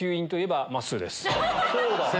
そうだ！